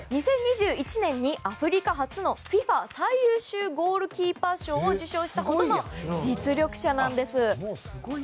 ２０２１年にアフリカ初のＦＩＦＡ最優秀ゴールキーパー賞を受賞したこともある実力者なんです。